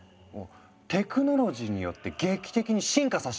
テクノロジーによって劇的に進化させ